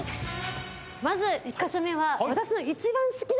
まず１カ所目は。